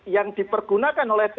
yang dipergunakan oleh tii